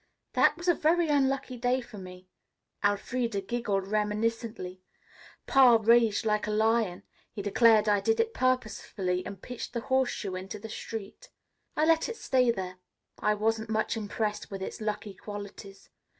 That was a very unlucky day for me." Elfreda giggled reminiscently. "Pa raged like a lion. He declared I did it purposely and pitched the horseshoe into the street. I let it stay there. I wasn't much impressed with its lucky qualities.